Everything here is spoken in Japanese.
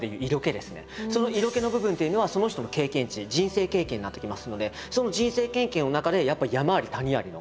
その色気の部分っていうのはその人の経験値人生経験になってきますのでその人生経験の中でやっぱり山あり谷ありの。